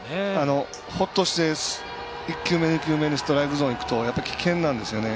ホッとして１球目２球目にストライクゾーンいくとやっぱり危険なんですよね。